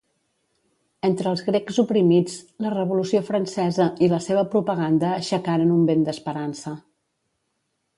Entre els grecs oprimits la Revolució Francesa i la seva propaganda aixecaren un vent d'esperança.